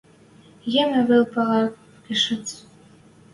Йымы вел пӓлӓ, кышец.